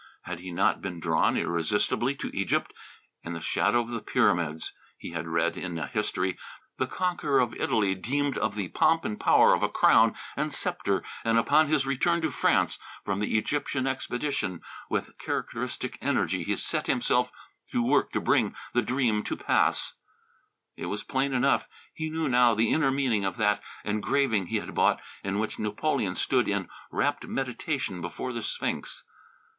Had he not been drawn irresistibly to Egypt? "In the shadow of the pyramids," he had read in a history, "the conqueror of Italy dreamed of the pomp and power of a crown and sceptre, and upon his return to France from the Egyptian expedition, with characteristic energy he set himself to work to bring the dream to pass " It was plain enough. He knew now the inner meaning of that engraving he had bought, in which Napoleon stood in rapt meditation before the Sphinx.